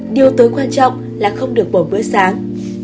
điều tối quan trọng là không được bỏ bữa sáng